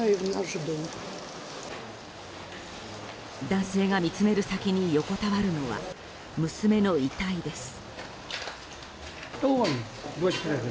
男性が見つめる先に横たわるのは、娘の遺体です。